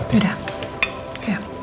aku juga gak paham